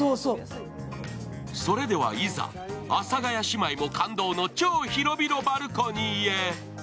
それではいざ、阿佐ヶ谷姉妹も感動の超広々バルコニーへ。